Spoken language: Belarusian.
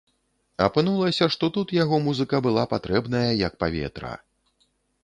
Апынулася, што тут яго музыка была патрэбная, як паветра.